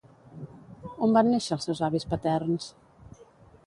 On van néixer els seus avis paterns?